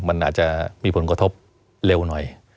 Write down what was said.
มันอาจจะมีผลกระทบเร็วหน่อย